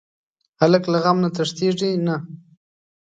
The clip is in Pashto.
هلک له غم نه تښتېږي نه.